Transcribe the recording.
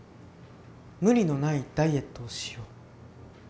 無理のないダイエットをしよう。